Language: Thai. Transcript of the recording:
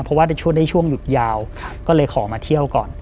เพราะว่าในช่วงนี้ช่วงหยุดยาวก็เลยขอมาเที่ยวก่อน